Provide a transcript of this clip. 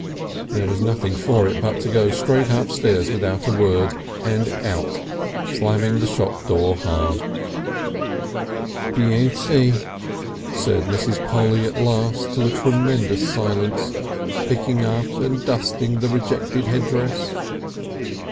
There was nothing for it but to go straight upstairs without a word, and out, slamming the shop door hard. "Beauty!" said Mrs. Polly at last to a tremendous silence, picking up and dusting the rejected headdress.